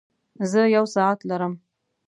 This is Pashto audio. زۀ يو ساعت لرم.